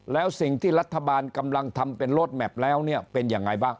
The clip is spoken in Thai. แล้วสิ่งที่รัฐบาลกำลังทำเป็นโลดแมพแล้วเนี่ยเป็นยังไงบ้าง